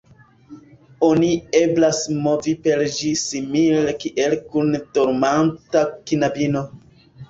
Oni eblas movi per ĝi simile kiel kun dormanta knabino.